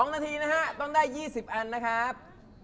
๒นาทีนะฮะต้องได้๒๐อันนะครับ